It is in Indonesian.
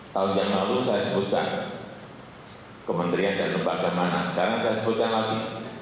tahun yang lalu saya sebutkan kementerian dan lembaga mana sekarang saya sebutkan lagi